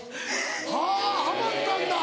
はぁハマったんだ。